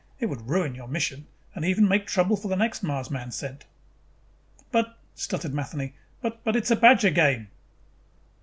It would ruin your mission and even make trouble for the next man Mars sent." "But," stuttered Matheny, "b but it's a badger game!"